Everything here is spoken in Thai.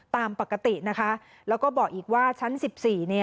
ตามปกตินะคะแล้วก็บอกอีกว่าชั้น๑๔